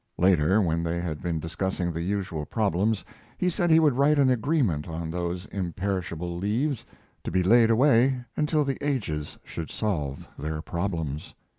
Later, when they had been discussing the usual problems, he said he would write an agreement on those imperishable leaves, to be laid away until the ages should solve their problems.